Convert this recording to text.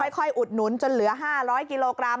อุดหนุนจนเหลือ๕๐๐กิโลกรัม